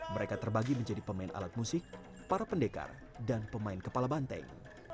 mereka terbagi menjadi pemain alat musik para pendekar dan pemain kepala banteng